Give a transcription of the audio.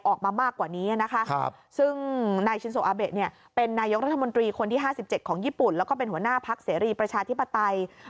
ออกมามากกว่านี้นะคะ